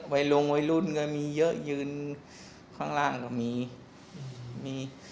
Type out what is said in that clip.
ไว้ลงไว้รุ่นก็มีเยอะยืนข้างล่างก็มี